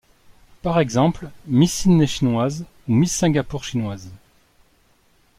Par exemple Miss Sydney Chinoise ou Miss Singapour Chinoise.